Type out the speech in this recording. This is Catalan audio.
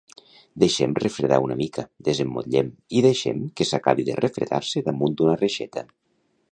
Deixem refredar una mica, desemmotllem i deixem que s'acabi de refredar-se damunt d'una reixeta.